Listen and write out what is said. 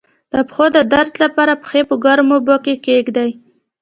د پښو د درد لپاره پښې په ګرمو اوبو کې کیږدئ